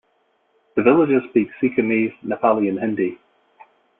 The villagers speak Sikkimese, Nepali and Hindi.